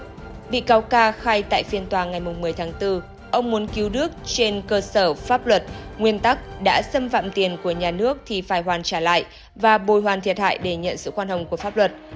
trong khi bị cáo ca khai tại phiên tòa ngày một mươi tháng bốn ông muốn cứu đức trên cơ sở pháp luật nguyên tắc đã xâm phạm tiền của nhà nước thì phải hoàn trả lại và bồi hoàn thiệt hại để nhận sự khoan hồng của pháp luật